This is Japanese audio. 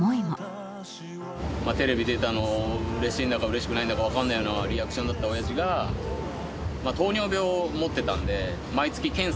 テレビ出たのをうれしいんだかうれしくないんだかわかんないようなリアクションだった親父が糖尿病を持ってたんで毎月検査に行ってたんです。